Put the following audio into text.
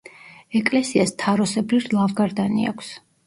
ეკლესიას თაროსებრი ლავგარდანი აქვს.